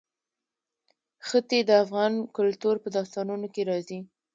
ښتې د افغان کلتور په داستانونو کې راځي.